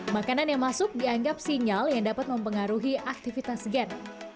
makanan yang masuk dianggap sinyal yang dapat mempengaruhi aktivitas gen